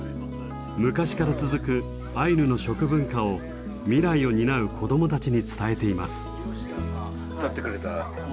昔から続くアイヌの食文化を未来を担う子どもたちに伝えています。